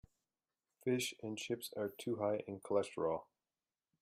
Fish and chips are too high in cholesterol.